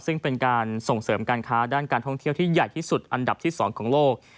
ซึ่งเป็นการส่งเสริมการค้าด้านการท่องเที่ยวที่ใหญ่ที่สุดอันดับที่๒ของโลก